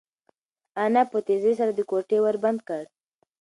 انا په تېزۍ سره د کوټې ور بند کړ.